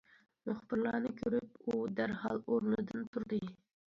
مۇخبىرلارنى كۆرۈپ، ئۇ دەرھال ئورنىدىن تۇردى.